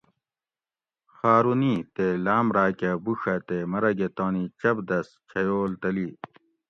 خارونی تے لام راکہ بُوڄہ تے مرگہ تانی چۤپدۤس چھیول تلی